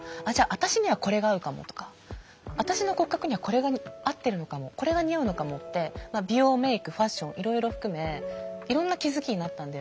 私にはこれが合うかもとか私の骨格にはこれが合ってるのかもこれが似合うのかもって美容メイクファッションいろいろ含めいろんな気づきになったんだよね。